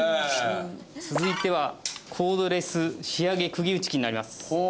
続いてはコードレス仕上釘打機になります。